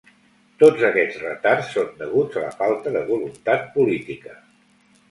Tots aquests retards són deguts a la falta de voluntat política.